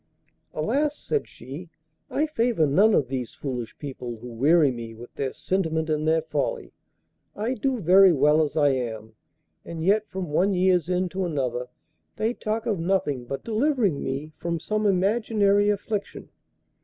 'Alas!' said she, 'I favour none of these foolish people, who weary me with their sentiment and their folly. I do very well as I am, and yet from one year's end to another they talk of nothing but delivering me from some imaginary affliction.